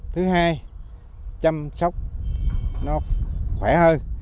thứ hai chăm sóc nó khỏe hơn